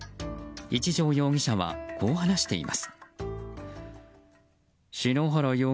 一條容疑者はこう話しています。